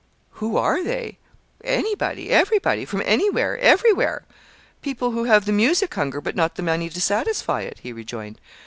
"Who are they? Anybody, everybody, from anywhere? everywhere; people who have the music hunger but not the money to satisfy it," he rejoined.